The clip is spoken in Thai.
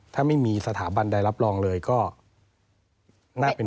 ถ้าไม่มีสถาบันใดรับรองเลยก็น่าเป็น